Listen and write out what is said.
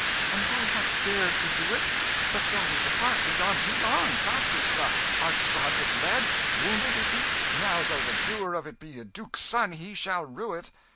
And who hath dared to do it? But that is apart; lead on, lead on! Faster, sirrah! Art shod with lead? Wounded, is he? Now though the doer of it be a duke's son he shall rue it!"